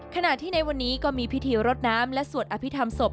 ขณะที่ในวันนี้ก็มีพิธีรดน้ำและสวดอภิษฐรรมศพ